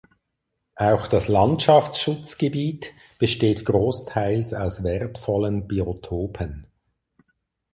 Auch das Landschaftsschutzgebiet besteht großteils aus wertvollen Biotopen.